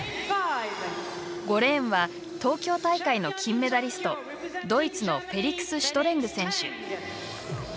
５レーンは東京大会の金メダリストドイツのフェリクス・シュトレング選手。